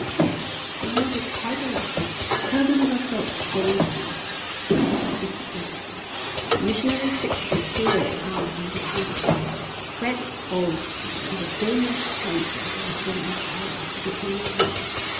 Yes, they minded quite a lot." "Tell him about Fred Ohlson," said Mrs Davidson. The missionary fixed his fiery eyes on Dr Macphail. "Fred Ohlson was a Danish trader who had been in the islands a good many years.